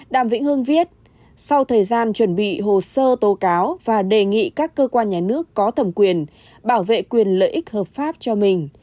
đàm vĩnh hương viết sau thời gian chuẩn bị hồ sơ tố cáo và đề nghị các cơ quan nhà nước có thẩm quyền bảo vệ quyền lợi ích hợp pháp cho mình